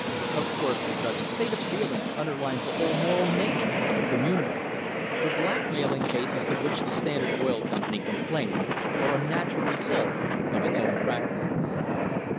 Of course such a state of feeling undermines the whole moral nature of a community. The blackmailing cases of which the Standard Oil Com pany complain are a natural result of its own practices.